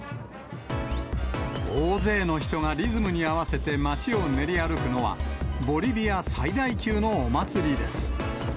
大勢の人がリズムに合わせて町を練り歩くのは、ボリビア最大級のお祭りです。